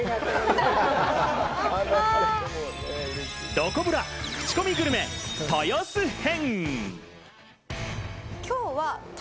どこブラ、クチコミグルメ豊洲編。